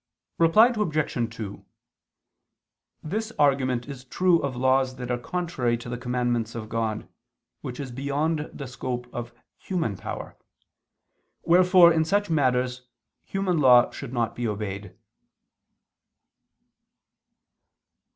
Reply Obj. 2: This argument is true of laws that are contrary to the commandments of God, which is beyond the scope of (human) power. Wherefore in such matters human law should not be obeyed.